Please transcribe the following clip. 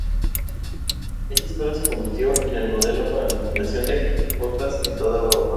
Esta Escuela se convirtió en modelo para la fundación de otras en toda Europa.